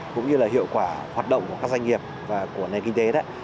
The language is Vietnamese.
cũng như là hiệu quả hoạt động của các doanh nghiệp và của nền kinh tế